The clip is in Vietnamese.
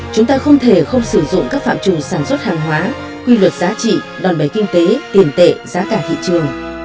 chúng ta không thể không sử dụng các phạm chủ sản xuất hàng hóa quy luật giá trị đòn bẩy kinh tế tiền tệ giá cả thị trường